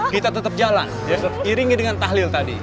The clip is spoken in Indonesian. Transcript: kita tetap jalan iringi dengan tahlil tadi